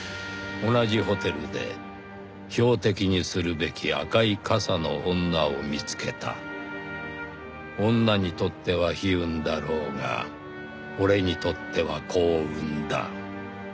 同じホテルで標的にするべき赤い傘の女を見つけた」「女にとっては悲運だろうが俺にとっては幸運だ」